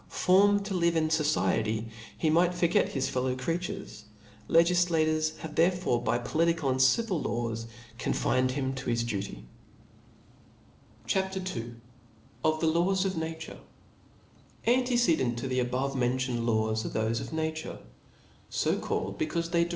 Formed to live in fociety, he might forget his fel low creatures ; legiflatures have therefore by poli tical and civil laws confined him to his duty. CHAP. O F L A W S. 5 » CHAP. IL , Of the Laws of Nature^ A NTECEDENT to the above mentioned laws book ^* are thpfe of nature, fo called bccaufe they de ^.